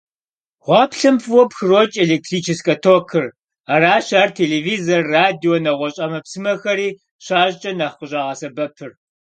Гъуаплъэм фӀыуэ пхрокӀ электрическэ токыр, аращ ар телевизор, радио, нэгъуэщӀ Ӏэмэпсымэхэри щащӀкӀэ нэхъ къыщӀагъэсэбэпыр.